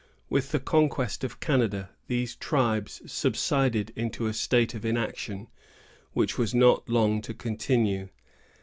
With the conquest of Canada, these tribes subsided into a state of inaction, which was not long to continue.